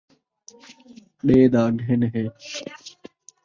ݙے دا گھن ہے